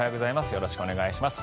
よろしくお願いします。